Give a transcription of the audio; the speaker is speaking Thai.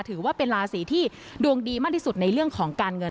ถือว่าเป็นราศีที่ดวงดีมากที่สุดในเรื่องของการเงิน